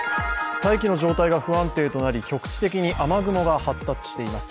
大気の状態が不安定となり局地的に雨雲が発生しています。